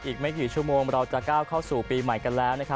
อีกไม่กี่ชั่วโมงเราจะก้าวเข้าสู่ปีใหม่กันแล้ว